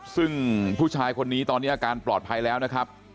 ซึ่งผู้ชายคนนี้ตอนนี้อาการปลอดภัยแล้วนะครับ